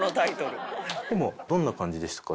どんな感じでしたか？